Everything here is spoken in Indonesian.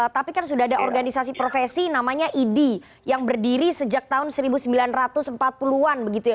tapi kan sudah ada organisasi profesi namanya idi yang berdiri sejak tahun seribu sembilan ratus empat puluh an begitu ya